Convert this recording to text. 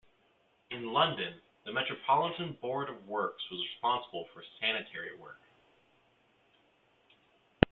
In London, the Metropolitan Board of Works was responsible for sanitary work.